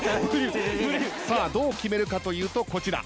さあどう決めるかというとこちら。